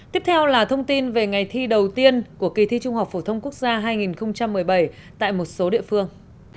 tiếp theo là thông tin về ngày thi đầu tiên của kỳ thi trung học phổ thông quốc gia hai nghìn một mươi bảy tại một số địa phương